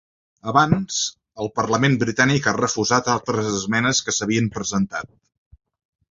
Abans, el parlament britànic ha refusat altres esmenes que s’havien presentat.